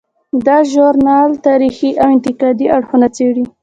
دا ژورنال تاریخي او انتقادي اړخونه څیړي.